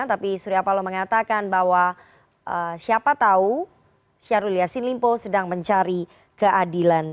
tapi surya paloh mengatakan bahwa siapa tahu syahrul yassin limpo sedang mencari keadilan